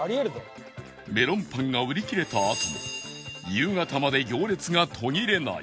メロンパンが売り切れたあとも夕方まで行列が途切れない